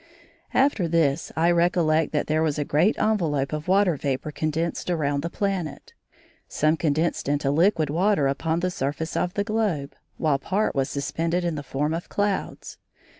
After this, I recollect that there was a great envelope of water vapour condensed around the planet. Some condensed into liquid water upon the surface of the globe, while part was suspended in the form of clouds.